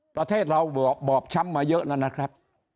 ประเทศเราบอบช้ำมาเยอะแล้วนะครับ